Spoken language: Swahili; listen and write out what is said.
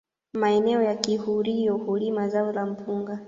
Maeneo ya kihurio hulima zao la mpunga